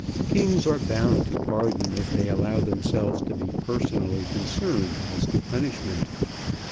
Kings are bound to pardon if they allow themselves to be personally concerned as to punishment.